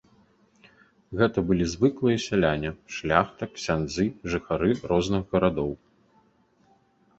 Гэта былі звыклыя сяляне, шляхта, ксяндзы, жыхары розных гарадоў.